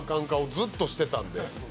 ずっとしてたんで。